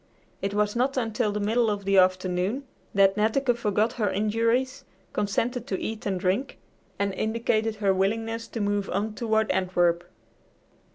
It was not until the middle of the afternoon that Netteke forgot her injuries, consented to eat and drink, and indicated her willingness to move on toward Antwerp.